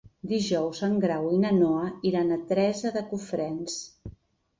Dijous en Grau i na Noa iran a Teresa de Cofrents.